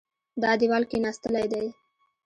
دا دېوال کېناستلی دی.